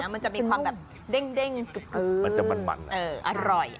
มันจะมีความแบบเด้งอร่อย